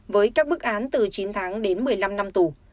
với các bức án từ chín tháng đến một mươi năm năm tù